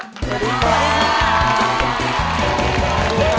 สวัสดีค่ะ